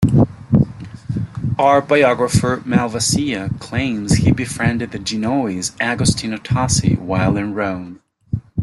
Art biographer Malvasia claims he befriended the Genoese Agostino Tassi while in Rome.